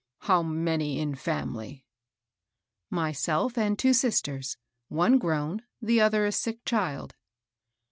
How many in family?" " Myself and two sisters, — one grown, the other a sick child."